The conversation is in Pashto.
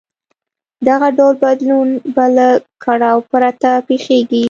دغه ډول بدلون به له کړاو پرته پېښېږي.